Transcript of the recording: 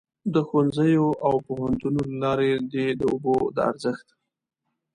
د ښوونځیو او پوهنتونونو له لارې دې د اوبو د ارزښت.